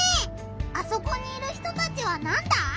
あそこにいる人たちはなんだ？